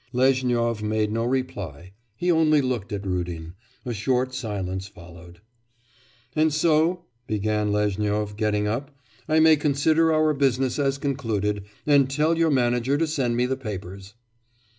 Lezhnyov made no reply, he only looked at Rudin. A short silence followed. 'And so,' began Lezhnyov, getting up, 'I may consider our business as concluded, and tell your manager to send me the papers.